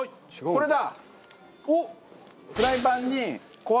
これだ。